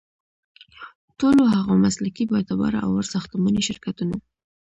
ټولو هغو مسلکي، بااعتباره او وړ ساختماني شرکتونو